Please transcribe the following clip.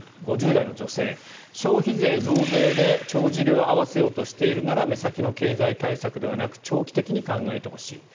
５０代の女性消費税増税で帳尻を合わせようとしているなら目先の経済対策ではなく長期的に考えてほしい。